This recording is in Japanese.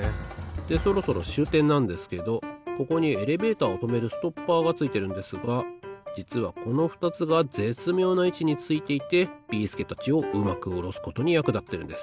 でそろそろしゅうてんなんですけどここにエレベーターをとめるストッパーがついてるんですがじつはこのふたつがぜつみょうないちについていてビーすけたちをうまくおろすことにやくだってるんです。